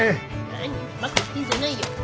何バカ言ってんじゃないよ。